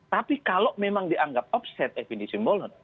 tapi kalau memang dianggap upset effendi simbolo